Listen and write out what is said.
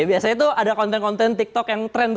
biasanya tuh ada konten konten tiktok yang trend tuh